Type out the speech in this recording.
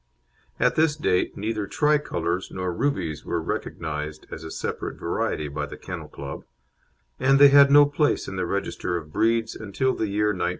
At this date neither Tricolours nor Rubies were recognised as a separate variety by the Kennel Club, and they had no place in the register of breeds until the year 1902.